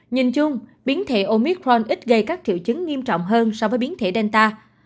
nhìn chung biến thể omicron ít gây các triệu chứng nghiêm trọng hơn so với biến thể danta